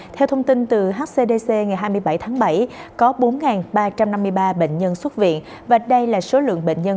theo thông tin từ hcdc ngày hai mươi bảy tháng bảy có bốn ba trăm năm mươi ba bệnh nhân xuất viện và đây là số lượng bệnh nhân